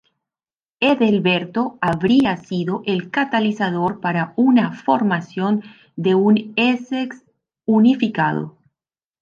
Ethelberto habría sido el catalizador para la formación de un Essex unificado.